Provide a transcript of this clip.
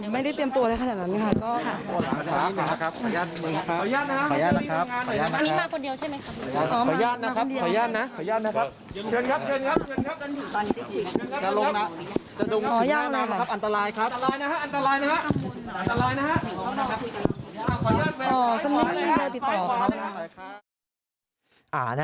ไม่ได้เตรียมตัวอะไรขนาดนั้นค่ะ